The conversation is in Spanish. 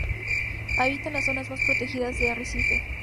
Habita en las zonas más protegidas del arrecife.